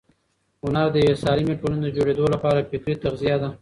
هنر د یوې سالمې ټولنې د جوړېدو لپاره فکري تغذیه ده.